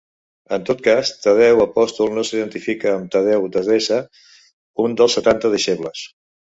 En tot cas, Tadeu apòstol no s'identifica amb Tadeu d'Edessa, un dels Setanta deixebles.